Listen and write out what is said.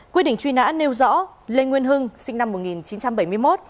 quyết định truy nã nêu rõ lê nguyên hưng sinh năm một nghìn chín trăm bảy mươi một